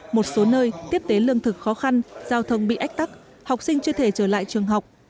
một số nơi tiếp tế lương thực khó khăn giao thông bị ách tắc học sinh chưa thể trở lại trường học